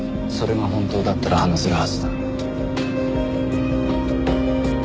それが本当だったら話せるはずだ。